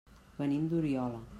Venim d'Oriola.